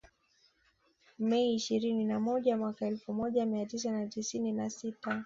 Mei ishirini na moja mwaka elfu moja mia tisa na tisini na sita